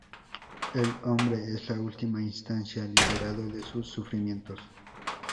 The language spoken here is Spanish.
El hombre es en última instancia liberado de sus sufrimientos.